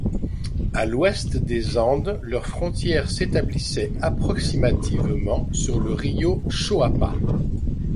À l'ouest des Andes leur frontière s'établissait approximativement sur le río Choapa.